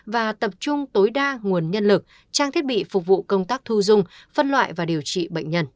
và tập trung tối đa nguồn nhân lực trang thiết bị phục vụ công tác thu dung phân loại và điều trị bệnh nhân